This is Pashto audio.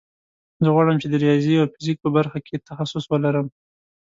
زه غواړم چې د ریاضي او فزیک په برخه کې تخصص ولرم